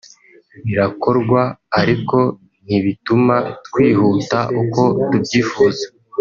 birakorwa ariko ntibituma twihuta uko tubyifuza